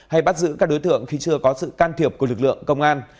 hay bắt giữ các đối tượng khi chưa có sự can thiệp của lực lượng công an